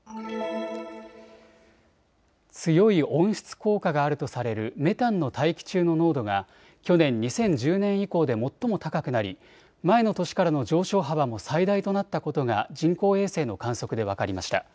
強い温室効果があるとされるメタンの大気中の濃度が去年２０１０年以降で最も高くなり前の年からの上昇幅も最大となったことが人工衛星の観測で分かりました。